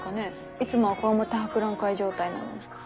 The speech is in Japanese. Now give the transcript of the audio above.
いつもは強面博覧会状態なのに。